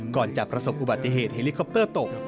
ก่อนจะประสบอุบัติเหตุเฮลิคอปเตอร์ตก